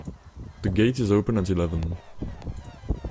The gate is open at eleven.